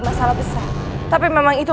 masalah besar tapi memang itu